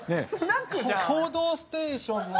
『報道ステーション』の人。